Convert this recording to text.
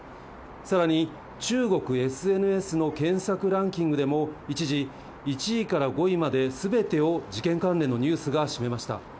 さらに、中国ＳＮＳの検索ランキングでも、一時、１位から５位まで、すべてを事件関連のニュースが占めました。